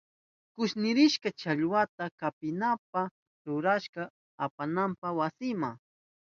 Kushnichishka challwata kapirihuta rurashka apananpa wasinma.